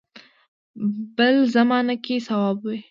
بل زمانه کې صواب وي.